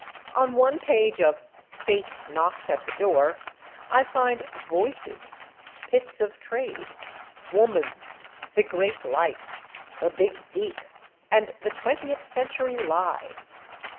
On one page of "Fate Knocks at the Door" I find Voices, Pits of Trade, Woman, the Great Light, the Big Deep and the Twentieth Century Lie.